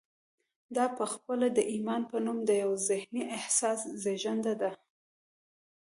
دا پخپله د ایمان په نوم د یوه ذهني احساس زېږنده ده